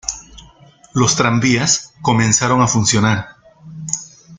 Los tranvías comenzaron a funcionar.